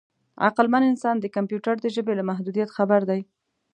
عقلمن انسان د کمپیوټر د ژبې له محدودیت خبر دی.